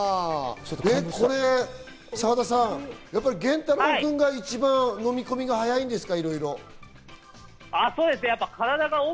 これ澤田さん、玄太郎くんが一番のみ込みが早いんですか？